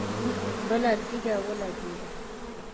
بله تيږه ولګېده.